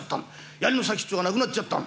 やりの先っちょがなくなっちゃったの。